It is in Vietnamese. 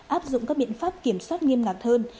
áp dụng các biện pháp kiểm soát nghiêm ngặt hơn